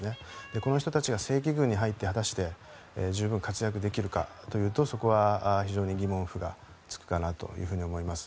この人たちが正規軍に入って果たして十分に活躍できるかというとそこは非常に疑問符がつくかなと思います。